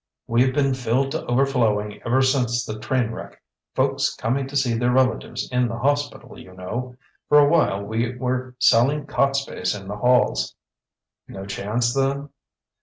"We've been filled to overflowing ever since the train wreck. Folks coming to see their relatives in the hospital, you know. For a while we were selling cot space in the halls." "No chance then?"